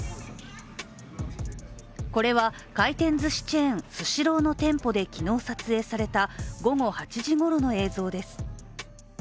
これは回転ずしチェーンスシローの店舗で昨日撮影された午後８時ごろの映像です。